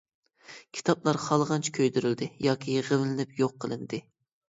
كىتابلار خالىغانچە كۆيدۈرۈلدى ياكى يىغىۋېلىنىپ يوق قىلىندى.